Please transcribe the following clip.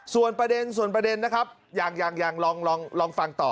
ส่วนประเด็นนะครับอย่างลองฟังต่อ